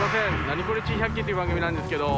『ナニコレ珍百景』っていう番組なんですけど。